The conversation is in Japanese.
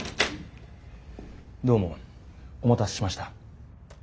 どうもお待たせしました。